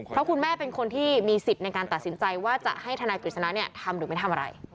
เพราะคุณแม่เป็นคนที่มีสิทธิ์ในการตัดสินใจว่าจะให้ทนายกฤษณะทำหรือไม่ทำอะไร